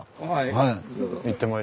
はい。